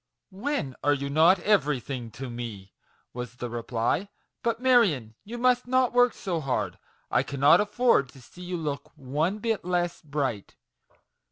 "When are you not everything to me?" was the reply. " But, Marion, you must not work so hard ; I cannot afford to see you look one bit less bright.